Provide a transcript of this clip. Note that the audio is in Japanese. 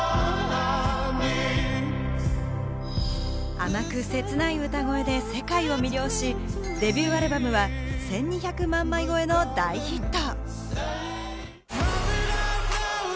甘く切ない歌声で世界を魅了し、デビューアルバムは１２００万枚超えの大ヒット。